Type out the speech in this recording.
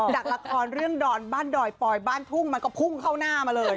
จากละครเรื่องดอนบ้านดอยปอยบ้านทุ่งมันก็พุ่งเข้าหน้ามาเลย